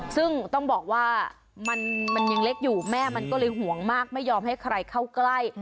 ซึ่งต้องบอกว่ามันยังเล็กอยู่แม่มันก็เลยห่วงมากไม่ยอมให้ใครเข้าใกล้